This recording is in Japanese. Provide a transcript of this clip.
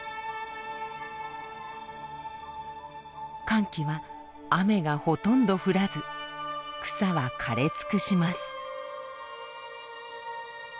乾季は雨がほとんど降らず草は枯れ尽くします。